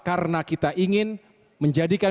karena kita ingin menjadikan